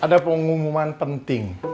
ada pengumuman penting